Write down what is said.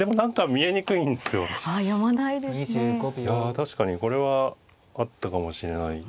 確かにこれはあったかもしれない。